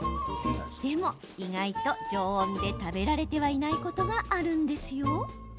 でも、意外と常温で食べられてはいないことがあるんですよ。